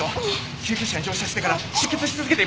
救急車に乗車してから出血し続けています！